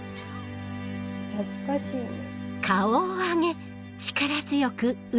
懐かしいね。